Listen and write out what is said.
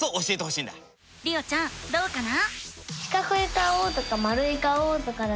りおちゃんどうかな？